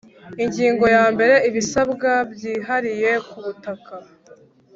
Ingingo ya mbere Ibisabwa byihariye kubutaka